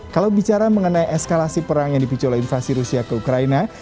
kalau bicara mengenai eskalasi perang yang dipicu oleh invasi rusia ke ukraina